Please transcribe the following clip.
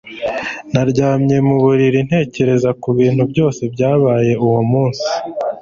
naryamye mu buriri ntekereza ku bintu byose byabaye uwo munsi